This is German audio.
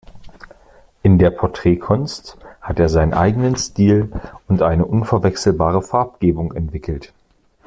In der Porträtkunst hat er seinen eigenen Stil und eine unverwechselbare Farbgebung entwickelt.